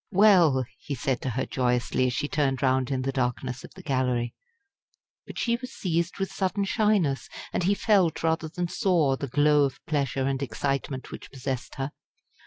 "Well!" he said to her joyously, as she turned round in the darkness of the Gallery. But she was seized with sudden shyness, and he felt, rather than saw, the glow of pleasure and excitement which possessed her.